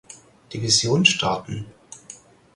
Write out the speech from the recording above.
Division starten.